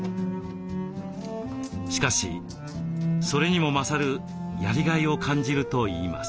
しかしそれにも勝るやりがいを感じるといいます。